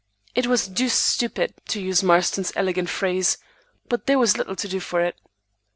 It was "deuced stupid," to use Marston's elegant phrase, but there was little to do for it.